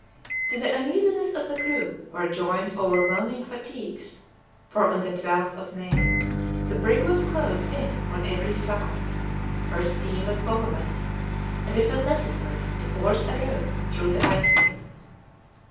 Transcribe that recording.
To the uneasiness of the crew were joined overwhelming fatigues, for on the 12th of May the brig was closed in on every side; her steam was powerless, and it was necessary to force a road through the ice fields.